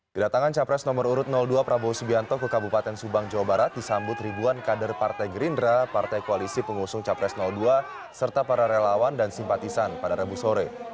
kedatangan capres nomor urut dua prabowo subianto ke kabupaten subang jawa barat disambut ribuan kader partai gerindra partai koalisi pengusung capres dua serta para relawan dan simpatisan pada rabu sore